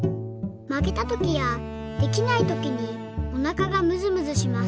「まけたときやできないときにおなかがむずむずします。